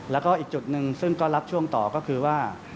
แล้วก็อีกจุดหนึ่งซึ่งก็รับช่วงต่อก็คือว่า